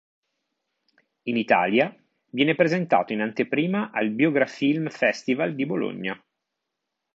In Italia, viene presentato in anteprima al Biografilm Festival di Bologna.